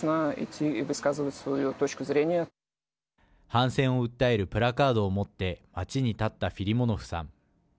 反戦を訴えるプラカードを持って街に立ったフィリモノフさん。